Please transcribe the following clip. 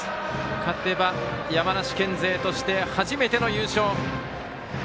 勝てば山梨県勢として初めての優勝。